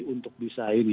untuk bisa ini